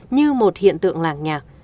như một hiện tượng làng nhạc